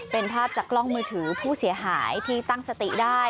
เป็นภาพจากกล้องมือถือผู้เสียหายที่ตั้งสติได้